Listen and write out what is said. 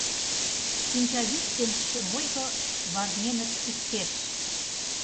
Шинчавӱд ден шем ойго варненыт иктеш.